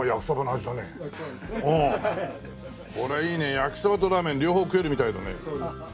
焼きそばとラーメン両方食えるみたいだね。